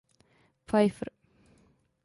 Pfeiffer.